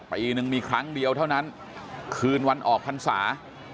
ปีนึงมีครั้งเดียวเท่านั้นคืนวันออกพรรษา